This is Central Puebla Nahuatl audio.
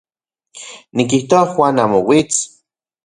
Nikijtoa Juan amo uits.